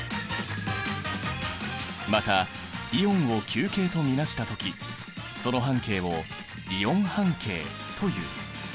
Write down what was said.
またイオンを球形と見なした時その半径をイオン半径という。